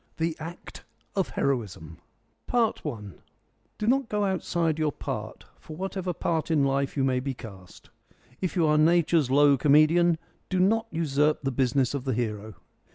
THE ACT OF HEROISM I Do not go outside your part, for whatever part in life you may be cast. If you are Nature's low comedian, do not usurp the business of the hero.